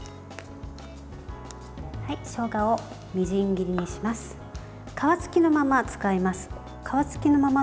しょうがをみじん切りにします。